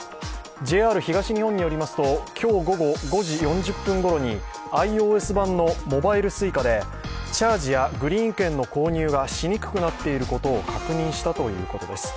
ＪＲ東日本によりますと今日午後５時４０分頃にｉＯＳ版のモバイルＳｕｉｃａでチャージやグリーン券の購入がしにくくなっていることを確認したということです。